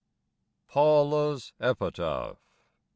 PAULA'S EPITAPH.